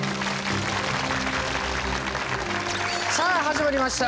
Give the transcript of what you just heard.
さあ始まりました